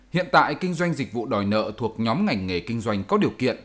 hiện tại kinh doanh dịch vụ đòi nợ thuộc nhóm ngành nghề kinh doanh có điều kiện